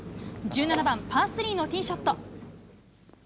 １７番、パースリーのティーショット。